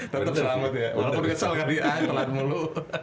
tetep selamat ya walaupun kesel kan dia telat mulu